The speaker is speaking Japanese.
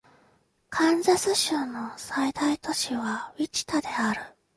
カンザス州の最大都市はウィチタである